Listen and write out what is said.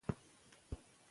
د سترګو اوښکې پاکې کړئ.